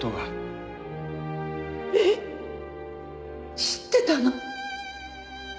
えっ知ってたの？